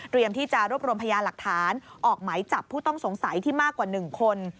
เตรียมที่จะรวบรวมพยานหลักฐานออกไหมจับผู้ต้องสงสัยที่มากกว่าหนึ่งคน